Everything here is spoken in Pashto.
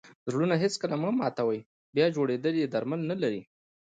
زړونه هېڅکله مه ماتوئ! بیا جوړېدل ئې درمل نه لري.